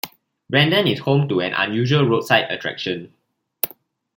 Brandon is home to an unusual roadside attraction.